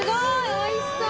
おいしそう！